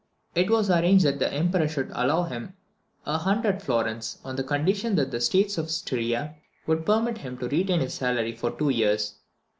It was arranged that the Emperor should allow him a hundred florins, on the condition that the states of Styria would permit him to retain his salary for two years.